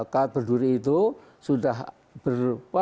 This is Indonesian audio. kain berduri itu sudah berupa